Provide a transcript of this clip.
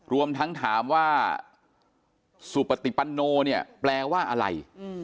รวมทั้งถามว่าสุปติปันโนเนี่ยแปลว่าอะไร